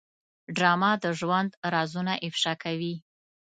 ډرامه د ژوند رازونه افشا کوي